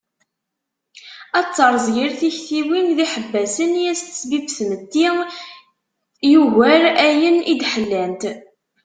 Ad terẓ yir tiktiwin d yiḥebbasen i as-tesbib tmetti yugar ayen i d-ḥellant.